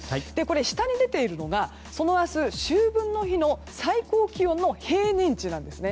下に出ているのが明日、秋分の日の最高気温の平年値なんですね。